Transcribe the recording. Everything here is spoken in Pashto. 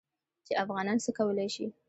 چې افغانان څه کولی شي.